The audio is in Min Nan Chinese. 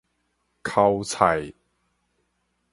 薅菜